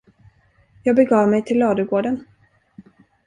Jag begav mig till ladugården.